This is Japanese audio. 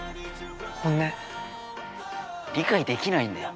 理解できないんだよ